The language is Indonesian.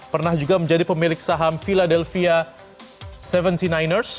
pernah juga menjadi pemilik saham philadelphia tujuh puluh sembilan